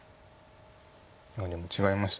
でも違いました。